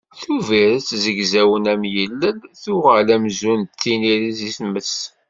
Tubiret zegzawen am yilel, tuɣal amzun d tiniri seg tmes